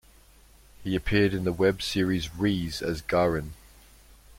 He appeared in the web series "Riese" as Garin.